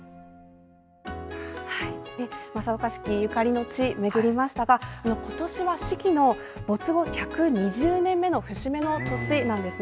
正岡子規ゆかりの地を巡りましたが今年は子規の没後１２０年目の節目の年です。